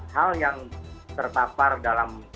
hal yang tertapar dalam